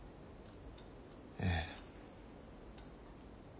ええ。